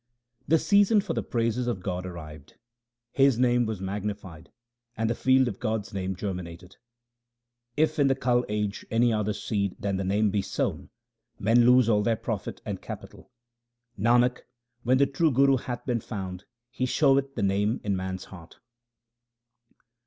The season for the praises of God arrived ; His name was magnified, and the field of God's name germinated. If in the Kal age any other seed than the Name be sown, men lose all their profit and capital. Nanak, when the true Guru hath been found, he showeth the Name in man's heart.